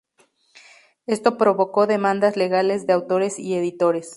Esto provocó demandas legales de autores y editores.